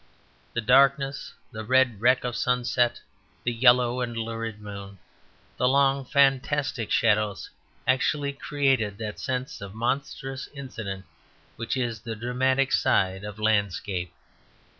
The darkness, the red wreck of sunset, the yellow and lurid moon, the long fantastic shadows, actually created that sense of monstrous incident which is the dramatic side of landscape.